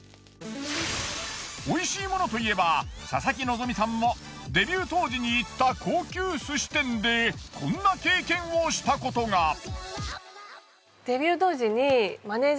おいしいものといえば佐々木希さんもデビュー当時に行った高級寿司店でこんな経験をしたことが。